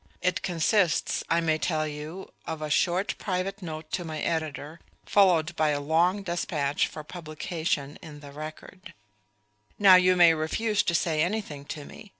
It consists, I may tell you, of a short private note to my editor, followed by a long despatch for publication in the Record. Now you may refuse to say anything to me.